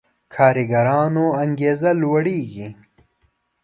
کارګرانو انګېزه لوړېږي.